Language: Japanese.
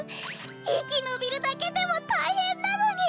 いきのびるだけでもたいへんなのに！